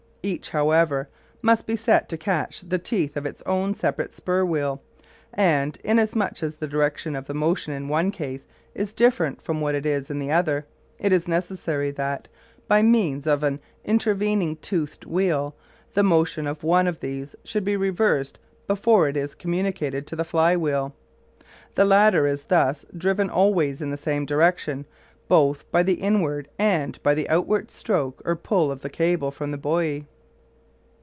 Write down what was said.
Each, however, must be set to catch the teeth of its own separate spur wheel; and, inasmuch as the direction of the motion in one case is different from what it is in the other, it is necessary that, by means of an intervening toothed wheel, the motion of one of these should be reversed before it is communicated to the fly wheel. The latter is thus driven always in the same direction, both by the inward and by the outward stroke or pull of the cable from the buoy.